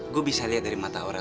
gue bisa lihat dari mata orang